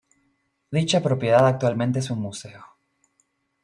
Dicha propiedad actualmente es un museo.